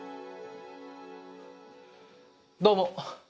どうも。